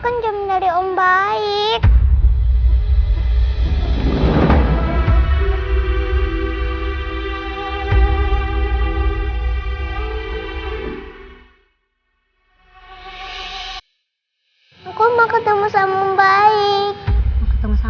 untuk memberikan kesaksian